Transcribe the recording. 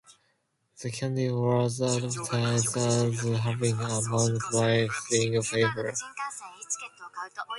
The candy was advertised as having a "long-lasting" flavor.